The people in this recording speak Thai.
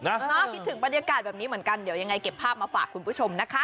คิดถึงบรรยากาศแบบนี้เหมือนกันเดี๋ยวยังไงเก็บภาพมาฝากคุณผู้ชมนะคะ